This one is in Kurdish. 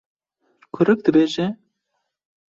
Kurik dibêje: